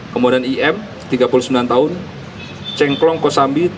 kemudian im tiga puluh sembilan tahun cengklong kosambi